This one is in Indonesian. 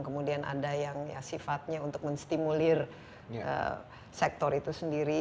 kemudian ada yang sifatnya untuk menstimulir sektor itu sendiri